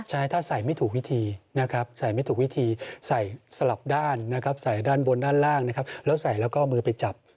ใช่ถ้าใส่ไม่ถูกวิธีนะครับใส่ไม่ถูกวิธีใส่สลับด้านนะครับใส่ด้านบนด้านล่างนะครับแล้วใส่แล้วก็มือไปจับ